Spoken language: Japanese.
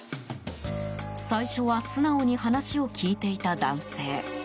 最初は素直に話を聞いていた男性。